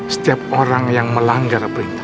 setiap orang yang melanggar perintah